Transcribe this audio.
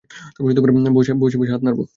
বসে হাত নাড়ব।